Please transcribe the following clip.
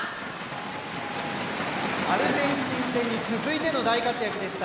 アルゼンチン戦に続いての大活躍でした。